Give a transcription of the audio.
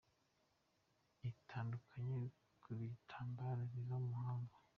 itandukanye mu bitambaro biva mu mahanga.